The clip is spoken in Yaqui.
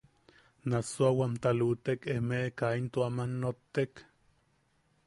–¿Nassuawamta luʼutek emeʼe kaa into aman nottek?